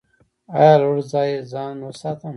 ایا له لوړ ځای ځان وساتم؟